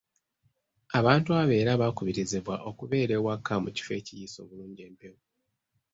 Abantu abo era bakubirizibwa okubeera ewaka mu kifo ekiyisa obulungi empewo.